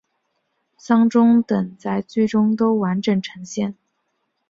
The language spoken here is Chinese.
丧钟等在剧中都完整呈现。